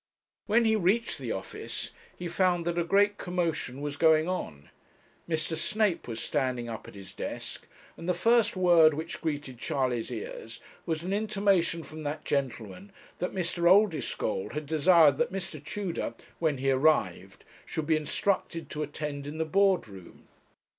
When he reached the office he found that a great commotion was going on. Mr. Snape was standing up at his desk, and the first word which greeted Charley's ears was an intimation from that gentleman that Mr. Oldeschole had desired that Mr. Tudor, when he arrived, should be instructed to attend in the board room.